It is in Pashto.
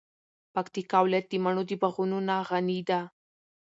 پکتیکا ولایت د مڼو د باغونو نه غنی ده.